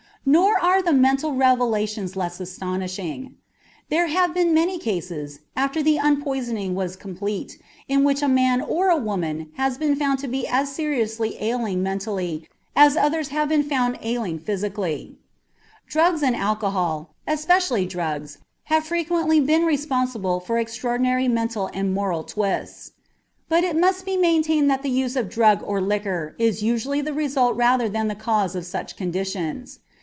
Nor are the mental revelations less astonishing. There have been many cases, after the unpoisoning was complete, in which a man or woman has been found to be as seriously ailing mentally as others have been found ailing physically. Drugs and alcohol, especially drugs, have frequently been responsible for extraordinary mental and moral twists. But it must be maintained that the use of drug or liquor is usually the result rather than the cause of such conditions.